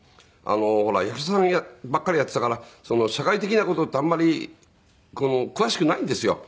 ほら役者さんばっかりやっていたから社会的な事ってあまり詳しくないんですよ。